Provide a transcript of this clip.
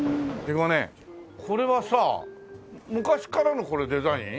これはさ昔からのこれデザイン？